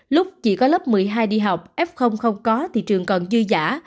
lúc chỉ có lớp một mươi hai đi học f không có thì trường còn dư giả